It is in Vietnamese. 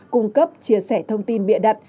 cung cấp chia sẻ thông tin bịa đặt